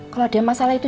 kalau ada masalah itu